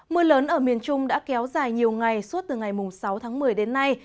mưa lớn ở miền trung đã kéo dài nhiều ngày suốt từ ngày sáu tháng một mươi đến nay